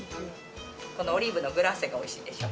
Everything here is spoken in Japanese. このオリーブのグラッセがおいしいでしょ